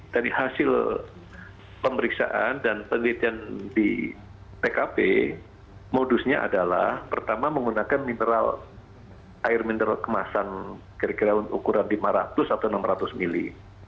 dan hasil pemeriksaan dan penelitian di pkp modusnya adalah pertama menggunakan mineral air mineral kemasan kira kira ukuran lima ratus atau enam ratus mili